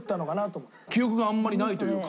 記憶があんまりないというか。